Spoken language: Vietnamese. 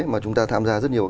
mà chúng ta tham gia rất nhiều